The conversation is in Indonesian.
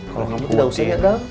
kalau kamu tidak usah nyetam